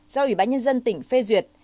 do ủy ban nhân dân tỉnh phê duyệt